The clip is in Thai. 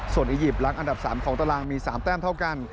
ส่วนอียิปต์หลังอันดับ๓ของตารางมี๓แต้มเท่ากัน